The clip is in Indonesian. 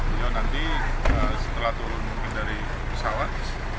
beliau nanti setelah turun mungkin dari pesawat